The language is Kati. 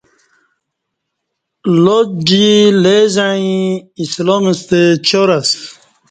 لات جی لیزعیں اسلام ستہ چار اسہ